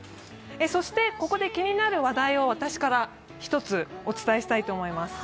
そしてここで気になる話題を私から一つ、お伝えしたいと思います。